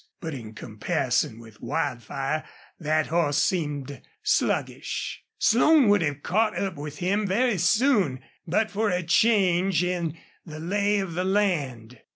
But in comparison with Wildfire that horse seemed sluggish. Slone would have caught up with him very soon but for a change in the lay of the land.